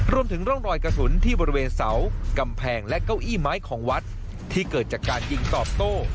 รวมถึงร่องรอยกระสุนที่บริเวณเสากำแพงและเก้าอี้ไม้ของวัดที่เกิดจากการยิงตอบโต้